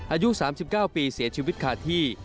อายุ๓๙ปีเสียชีวิตคาที่